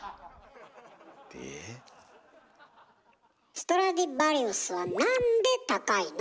ストラディヴァリウスはなんで高いの？